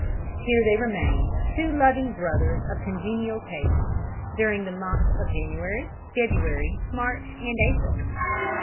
Here they remained, two loving brothers of congenial tastes, during the months of January, February, March and April.